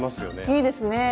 いいですね！